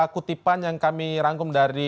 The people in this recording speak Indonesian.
kutipan yang kami rangkum dari